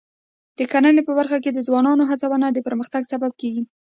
د کرنې په برخه کې د ځوانانو هڅونه د پرمختګ سبب کېږي.